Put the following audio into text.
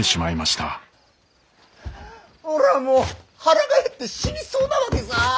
俺はもう腹が減って死にそうなわけさー。